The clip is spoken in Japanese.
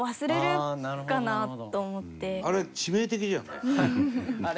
あれ致命的じゃんね。